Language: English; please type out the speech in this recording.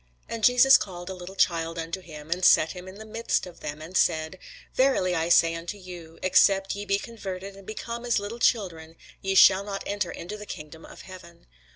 And Jesus called a little child unto him, and set him in the midst of them, and said, Verily I say unto you, Except ye be converted, and become as little children, ye shall not enter into the kingdom of heaven.